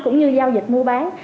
cũng như giao dịch mua bán